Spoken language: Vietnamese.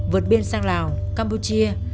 vượt biên sang lào campuchia